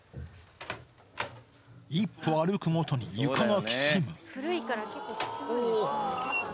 一歩歩くごとに床がきしむ。